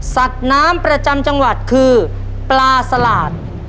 สัตว์น้ำประจำจังหวัดคือปลาสลาด